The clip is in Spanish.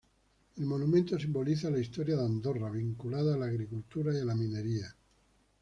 El monumento simboliza la historia de Andorra, vinculada a la agricultura y la minería.